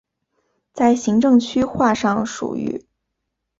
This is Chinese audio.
在行政区划上属于。